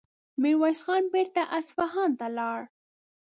ميرويس خان بېرته اصفهان ته لاړ.